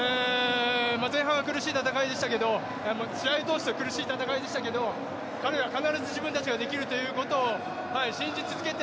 前半は苦しい戦いでしたけれども試合当初は苦しい戦いでしたけれども、彼らは必ず自分たちができるということを信じ続けて